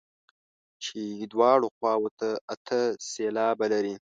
چې دواړو خواوو ته اته سېلابه لري.